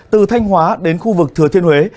từ thanh hóa đến khu vực thừa thiên huế